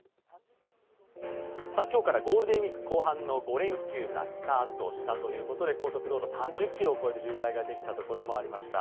今日からゴールデンウイーク後半の５連休がスタートしたということで高速道路３０ｋｍを超える渋滞ができたところもありました。